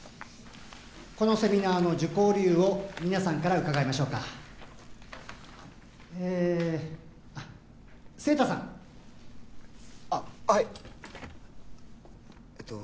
このセミナーの受講理由を皆さんから伺いましょうかえ晴太さんあっはいえっと